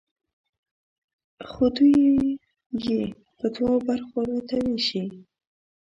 خو دوی یې په دوو برخو راته ویشي.